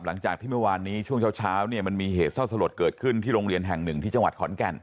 หลังจากที่เมื่อวานนี้ช่วงเช้าเนี่ยมันมีเหตุเศร้าสลดเกิดขึ้นที่โรงเรียนแห่งหนึ่งที่จังหวัดขอนแก่น